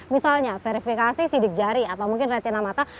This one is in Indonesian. misalnya verifikasi sidik jari atau mungkin retina mata